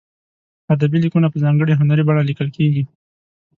ادبي لیکونه په ځانګړې هنري بڼه لیکل کیږي.